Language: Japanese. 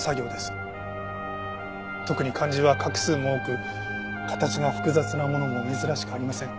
特に漢字は画数も多く形が複雑なものも珍しくありません。